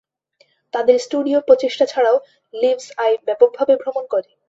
তাদের স্টুডিও প্রচেষ্টা ছাড়াও, লিভস আই ব্যাপকভাবে ভ্রমণ করে।